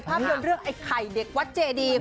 ภาพยนตร์เรื่องไอ้ไข่เด็กวัดเจดี